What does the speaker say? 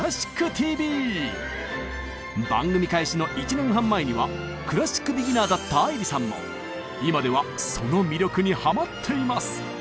今日は番組開始の１年半前にはクラシックビギナーだった愛理さんも今ではその魅力にハマっています！